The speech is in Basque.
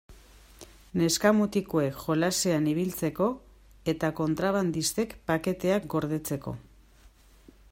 Neska-mutikoek jolasean ibiltzeko eta kontrabandistek paketeak gordetzeko.